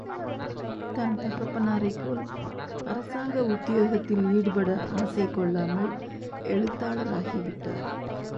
தன் தகப்பனாரைப்போல் அரசாங்க உத்தியோகத்தில் ஈடுபட ஆசைகொள்ளாமல் எழுத்தாளராகிவிட்டார்.